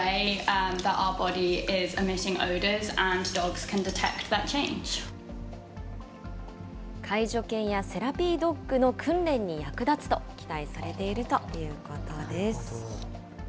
介助犬やセラピードッグの訓練に役立つと期待されているということです。